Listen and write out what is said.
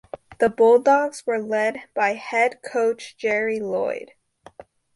The Bulldogs were led by head coach Jerry Loyd.